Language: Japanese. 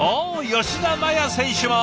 吉田麻也選手も。